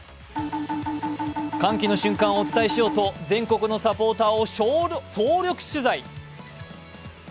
歓喜の瞬間をお伝えしようと全国のサポーターを総力取材。